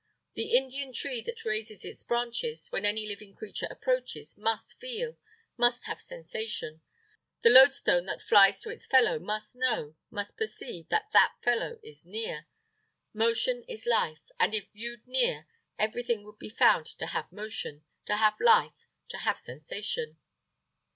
The Indian tree that raises its branches when any living creature approaches must feel, must have sensation; the loadstone that flies to its fellow must know, must perceive that that fellow is near. Motion is life; and if viewed near, everything would be found to have motion, to have life, to have sensation."